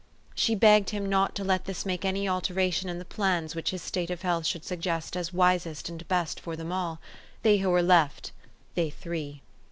She begged him not to let this make any alteration in the plans which his state of health should suggest as wisest and best for them all, they who were left, they three.